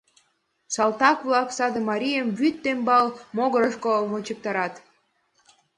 Салтак-влак саде марийым вӱд тембал могырышко вончыктарат.